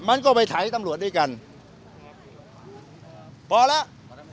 มันก็ไปไถตำรวจด้วยกันพอแล้ว